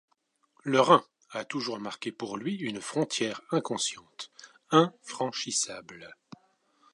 Le Rhin a toujours marqué pour lui une frontière inconsciente, infranchissable.